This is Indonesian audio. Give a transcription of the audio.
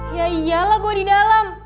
ya iyalah gue di dalam